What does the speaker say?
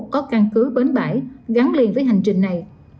có căn cứ bến bãi gắn liền với hành trình này